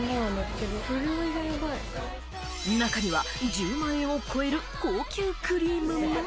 中には１０万円を超える高級クリームも。